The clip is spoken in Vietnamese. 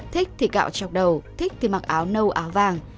thích thì cạo chọc đầu thích thì mặc áo nâu áo vàng